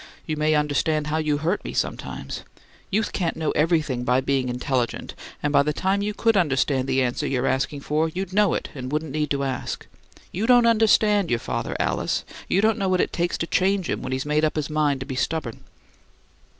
"You may understand how you hurt me sometimes. Youth can't know everything by being intelligent, and by the time you could understand the answer you're asking for you'd know it, and wouldn't need to ask. You don't understand your father, Alice; you don't know what it takes to change him when he's made up his mind to be stubborn."